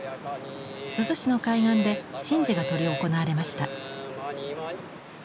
珠洲の海岸で神事が執り行われました。